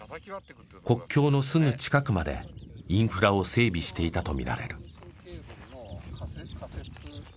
国境のすぐ近くまでインフラを整備していたとみられる。